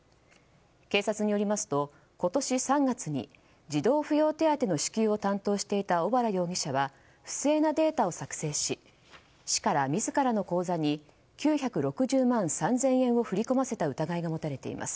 警察によりますと、今年３月に児童扶養手当の支給を担当していた小原容疑者は不正なデータを作成し市から自らの口座に９６０万３０００円を振り込ませた疑いが持たれています。